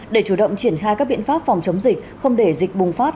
để chủ động triển khai các biện pháp phòng chống dịch không để dịch bùng phát